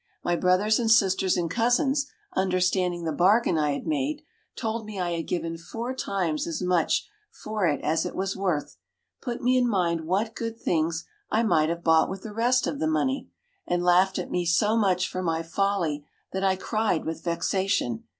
My brothers and sisters and cousins, understanding the bargain I had made, told me I had given four times as much for it as it was worth; put me in mind what good things I might have bought with the rest of the money, and laughed at me so much for my folly, that I cried with vexation.